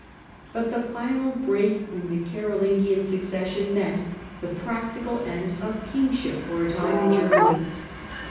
But the final break in the Caro lingian succession meant the practical end of kingship, for a time, in Germany.